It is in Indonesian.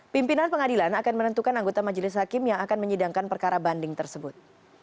pimpinan pengadilan akan menentukan anggota majelis hakim yang akan menyidangkan perkara banding tersebut